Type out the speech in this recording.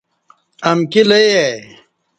امکی لئی آئی